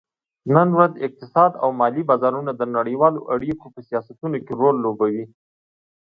نن ورځ اقتصاد او مالي بازارونه د نړیوالو اړیکو په سیاستونو کې رول لوبوي